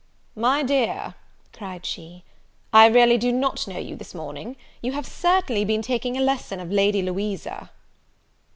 "My dear," cried she, "I really do not know you this morning, you have certainly been taking a lesson of Lady Louisa."